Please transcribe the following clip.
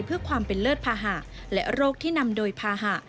เพื่อความเป็นเลิศภาหะและโรคที่นำโดยภาหะ